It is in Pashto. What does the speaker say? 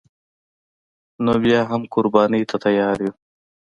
نو بیا هم قربانی ته تیار یو